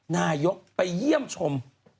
นายกไปเยี่ยมชม